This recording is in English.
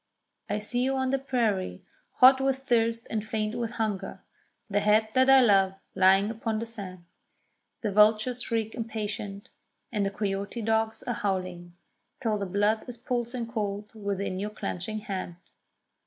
I see you on the prairie, hot with thirst and faint with hunger; The head that I love lying low upon the sand. The vultures shriek impatient, and the coyote dogs are howling, Till the blood is pulsing cold within your clenching hand.